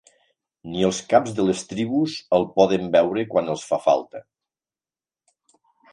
Ni els caps de les tribus el poden veure quan els fa falta.